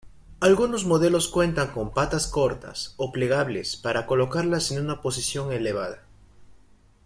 Algunos modelos cuentan con patas cortas o plegables para colocarlas en una posición elevada.